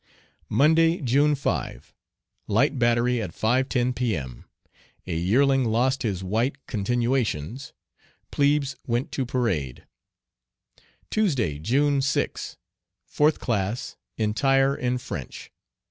Monday, June 5. Light battery at 5.10 P.M. A yearling lost his "white continuations." Plebes went to parade. Tuesday, June 6. Fourth class, entire in French.